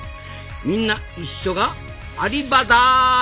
みんな一緒がアリバダーイ！